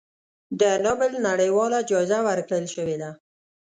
د نوبل نړیواله جایزه ورکړی شوې ده.